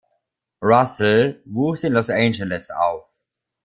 Russell wuchs in Los Angeles auf.